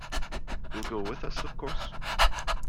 You'll go with us, of course?